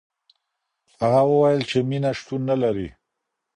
هغه وویل چي مینه شتون نه لري.